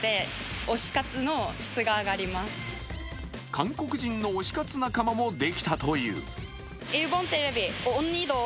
韓国人の推し活仲間もできたという。